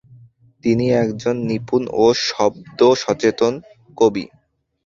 তিনি একজন নিপুণ ও শব্দ সচেতন কবি।